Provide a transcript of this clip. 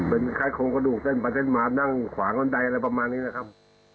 เป็นคล้ายโครงกระดูกเต้นไปเต้นมานั่งขวางบันไดอะไรประมาณนี้นะครับ